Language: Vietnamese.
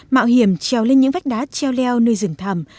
mạo hiểm treo lên những vách đá treo leo nơi rừng thầm